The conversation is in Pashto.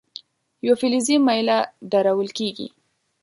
یوه فلزي میله درول کیږي.